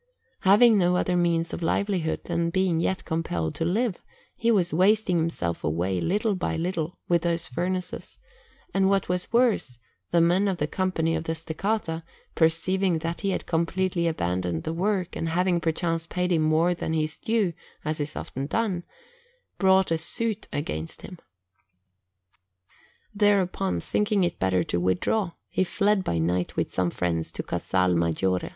Having no other means of livelihood, and being yet compelled to live, he was wasting himself away little by little with those furnaces; and what was worse, the men of the Company of the Steccata, perceiving that he had completely abandoned the work, and having perchance paid him more than his due, as is often done, brought a suit against him. Thereupon, thinking it better to withdraw, he fled by night with some friends to Casal Maggiore.